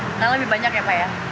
karena lebih banyak ya pak ya